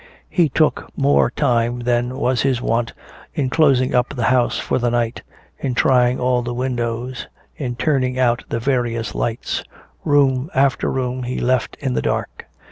He took more time than was his wont in closing up the house for the night, in trying all the windows, in turning out the various lights. Room after room he left in the dark.